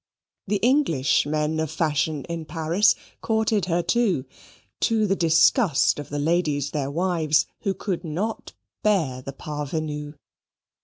The English men of fashion in Paris courted her, too, to the disgust of the ladies their wives, who could not bear the parvenue.